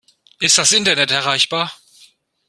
Ist das Internet erreichbar?